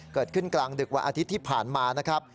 เกิดขึ้นกลางดึกวันอาทิตย์ที่ผ่านมานะครับ